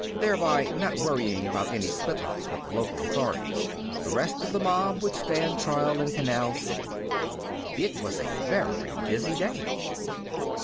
Thereby not worrying about any slip ups with the local authorities. The rest of the mob would stand trial in Canal City. It was a very busy day.